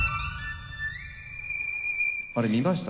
あれ見ました？